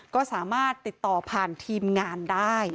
ก็สามารถติดต่อผ่านทีมงานได้